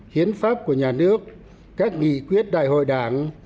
hiến pháp của nhà nước các nghị quyết đại hội đảng